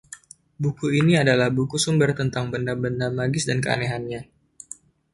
Buku ini adalah buku sumber tentang benda-benda magis dan keanehannya.